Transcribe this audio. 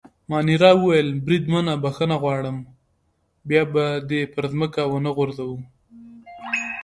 مانیرا وویل: بریدمنه بخښنه غواړم، بیا به دي پر مځکه ونه غورځوو.